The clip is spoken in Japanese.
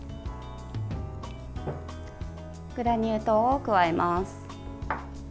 グラニュー糖を加えます。